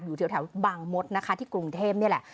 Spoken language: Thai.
อยู่แถวบางมดนะคะที่กรุงเทพนี่แหละ